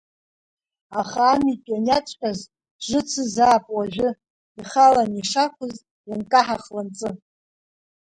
Аха амитә ианиаҵәҟьаз жыцызаап уажәы, Ихалан ишақәыз, ианкаҳа хланҵы.